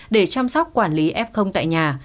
để chăm sóc quản lý f tại nhà